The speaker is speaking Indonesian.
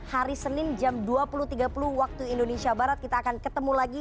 jangan lupa itu